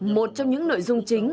một trong những nội dung chính